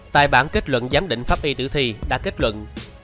tài bản kết luận giám định pháp y tử thi đã kết luận